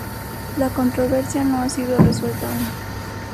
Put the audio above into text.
La controversia no ha sido resuelta aún.